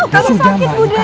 kamu sakit budek